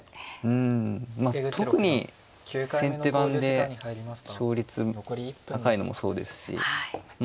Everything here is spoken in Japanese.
うんまあ特に先手番で勝率高いのもそうですしま